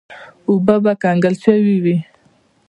اوبه به کنګل شوې وې.